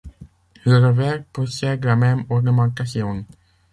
Le revers possède la même ornementation.